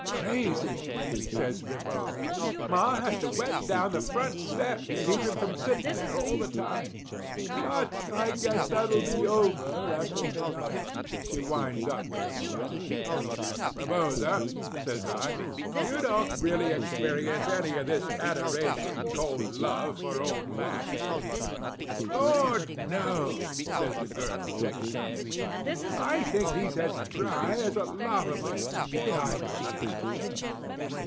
"Crazy," says Rebosa. "Ma has to wet down the front steps to keep him from sitting there all the time. But I guess that'll be all over after to night," she winds up with a sigh. "Rebosa," says I, "you don't really experience any of this adoration called love for old Mack, do you?" "Lord! no," says the girl, shaking her head. "I think he's as dry as a lava bed. The idea!"